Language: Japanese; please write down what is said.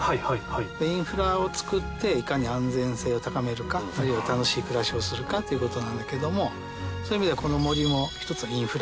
インフラをつくっていかに安全性を高めるか要は楽しい暮らしをするかっていうことなんだけれどもそういう意味ではこの。